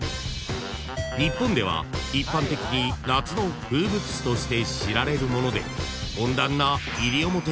［日本では一般的に夏の風物詩として知られるもので］